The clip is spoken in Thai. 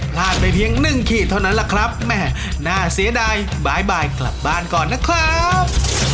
พลาดไปเพียงหนึ่งขีดเท่านั้นแหละครับแม่น่าเสียดายบ๊ายบายกลับบ้านก่อนนะครับ